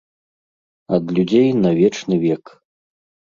Ад людзей на вечны век.